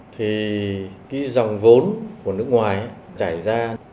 thì cái dòng vốn của nước ngoài trải ra